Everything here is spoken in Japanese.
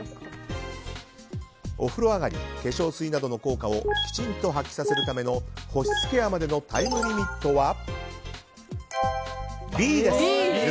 お風呂上がり化粧水などの効果をきちんと発揮するための保湿ケアまでのタイムリミットはＢです。